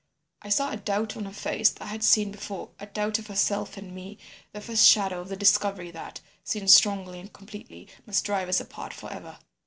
"I saw a doubt on her face that I had seen before, a doubt of herself and me, the first shadow of the discovery that, seen strongly and completely, must drive us apart for ever.